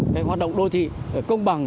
cái hoạt động đô thị công bằng